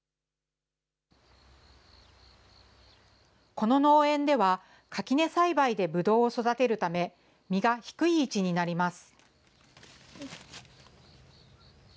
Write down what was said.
この農園では、垣根栽培でぶどうを育てるため、実が低い位置になります。